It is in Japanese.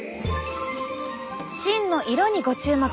芯の色にご注目！